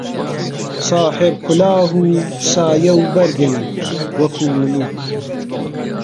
ساحێب کولاهـ و سایە و بەرگن وەکوو مولووک